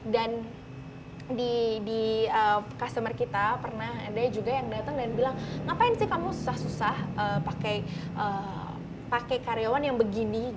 dan di customer kita pernah ada juga yang datang dan bilang ngapain sih kamu susah susah pakai karyawan yang begini